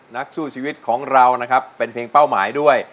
นักสู้ชีวิตของเรานะครับเป็นเพลงเป้าหมายด้วย